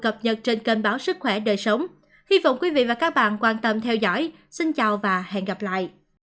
cảm ơn các bạn đã theo dõi và hẹn gặp lại